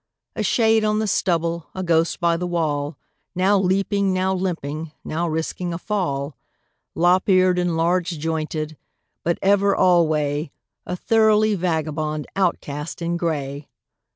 A shade on the stubble, a ghost by the wall, Now leaping, now limping, now risking a fall, Lop eared and large jointed, but ever alway A thoroughly vagabond outcast in gray.